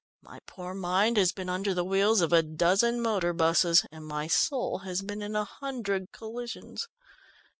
"My poor mind has been under the wheels of a dozen motor buses, and my soul has been in a hundred collisions."